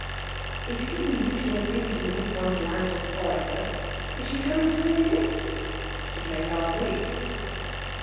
"It isn't the usual thing to leave one's land to a foreigner. Is she coming to live in it?" "She came last week."